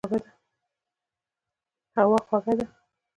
هوا خوږه ده.